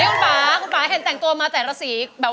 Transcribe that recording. นี่คุณฝาคุณฝาเห็นแต่งตัวมาแต่ละสีแบบว่าไหนอ่ะ